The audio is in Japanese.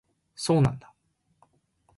そうなんだ